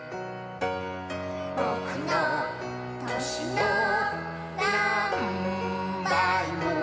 「ぼくのとしのなんばいも」